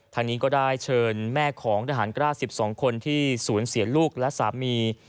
ทางนี้ก็ได้เชิญแม่ของทหารกล้า๑๒คนที่สูญเสียลูกและสามี